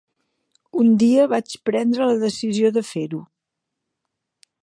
Un dia vaig prendre la decisió de fer-ho.